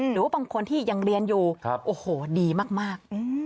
หรือว่าบางคนที่ยังเรียนอยู่โอ้โหดีมาก